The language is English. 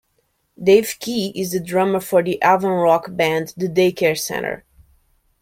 Dave Keay is the drummer for the avant-rock band The Day Care Centre.